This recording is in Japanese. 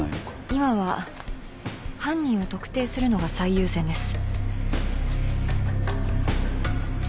今は犯人を特定するのが最優先です。